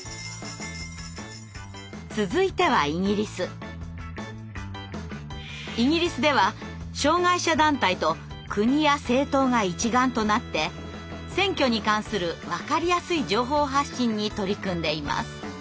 続いてはイギリスでは障害者団体と国や政党が一丸となって選挙に関するわかりやすい情報発信に取り組んでいます。